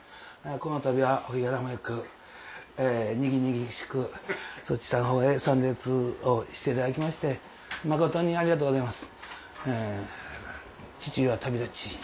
このたびはお日柄も良くにぎにぎしくそちらのほうへ参列をしていただきまして誠にありがとうございます。